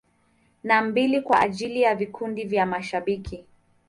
Na mbili kwa ajili ya vikundi vya mashabiki.